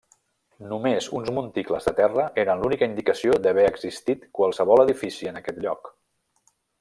Només uns monticles de terra eren l'única indicació d'haver existit qualsevol edifici en aquell lloc.